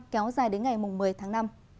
kéo dài đến ngày một mươi tháng năm